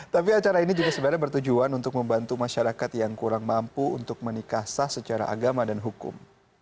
tapi acara ini juga sebenarnya bertujuan untuk membantu masyarakat yang kurang mampu untuk menikah sah secara agama dan hukum